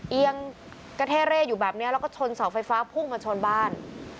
เอียงกระเท่เร่อยู่แบบนี้แล้วก็ชนเสาไฟฟ้าพุ่งมาชนบ้าน